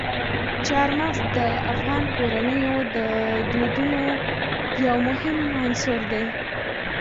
چار مغز د افغان کورنیو د دودونو یو مهم عنصر دی.